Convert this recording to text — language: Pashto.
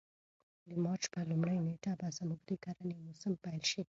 د مارچ په لومړۍ نېټه به زموږ د کرنې موسم پیل شي.